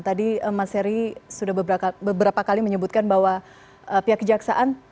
tadi mas heri sudah beberapa kali menyebutkan bahwa pihak kejaksaan